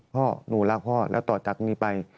พ่อหนูรักพ่อแล้วต่อจากนี้ไป